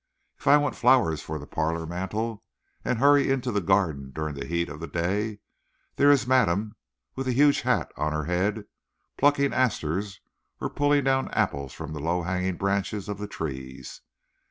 If I want flowers for the parlor mantel, and hurry into the garden during the heat of the day, there is madame with a huge hat on her head, plucking asters or pulling down apples from the low hanging branches of the trees.